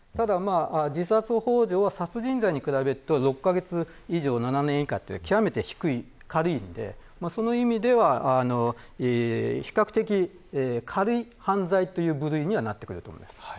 自殺ほう助は殺人罪に比べると６カ月以上７年以下という極めて軽いのでその意味では、比較的軽い犯罪という部類にはなってくると思います。